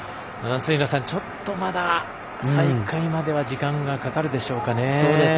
ちょっとまだ再開までは時間がかかるでしょうかね。